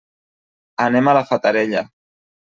Anem a la Fatarella.